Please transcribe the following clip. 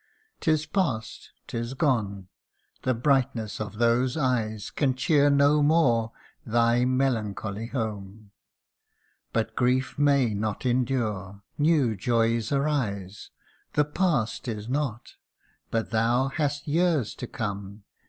'Tis past 'tis gone the brightness of those eyes Can cheer no more thy melancholy home: But grief may not endure new joys arise ; The past is not but thou hast years to come